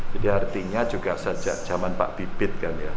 artinya juga sejak zaman pak bibit kan ya